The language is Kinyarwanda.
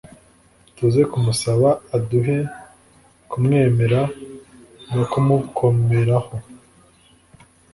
tuze kumusaba aduhe kumwemera no kumukomeraho